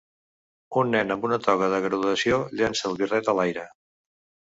Un nen amb una toga de graduació llença el birret a l'aire.